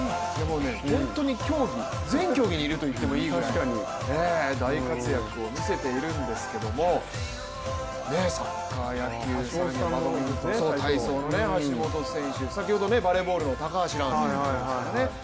本当に全競技にいると言ってもいいぐらいに大活躍を見せているんですけどもサッカー、野球、バドミントン体操の橋本選手、先ほどバレーボールの高橋藍選手とかね。